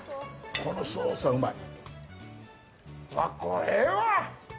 このソースはうまい。